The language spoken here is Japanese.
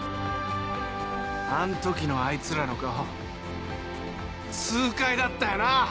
あん時のあいつらの顔痛快だったよなぁ！